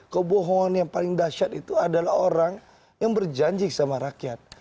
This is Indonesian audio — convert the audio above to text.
kebohongan yang paling dahsyat itu adalah orang yang berjanji sama rakyat